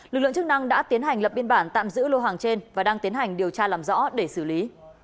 lực lượng chức năng đã tiến hành lập biên bản tạm giữ lô hàng trên và đang tiến hành điều tra làm rõ để xử lý